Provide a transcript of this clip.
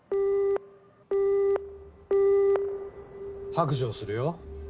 白状するよ。